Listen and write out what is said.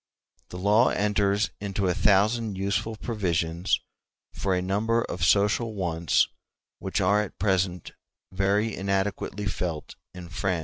*j The law enters into a thousand useful provisions for a number of social wants which are at present very inadequately felt in France.